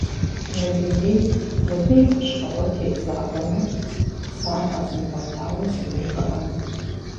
Мы дунейм мыбы и хущхъуэгъуэ тет закъуэмэ, сэ ар къэзмыгъуэтауэ сымыувыӏэн.